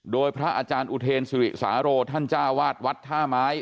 โดยพระอาจารย์อุเทนสุริสาโรท่านจ้าวาดวัดท่าไม้